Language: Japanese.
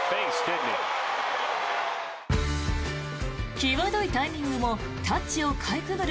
際どいタイミングもタッチをかいくぐる